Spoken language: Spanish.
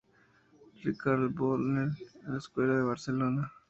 Ricard Carbonell, "La Escuela de Barcelona.